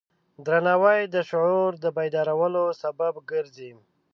درناوی د شعور د بیدارولو سبب ګرځي.